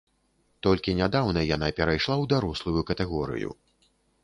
Толькі нядаўна яна перайшла ў дарослую катэгорыю.